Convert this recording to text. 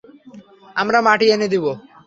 আমরা মাটি এনে দিব।